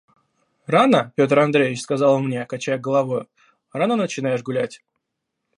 «Рано, Петр Андреич, – сказал он мне, качая головою, – рано начинаешь гулять.